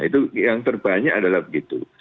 itu yang terbanyak adalah begitu